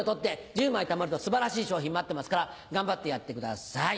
１０枚たまると素晴らしい賞品待ってますから頑張ってやってください。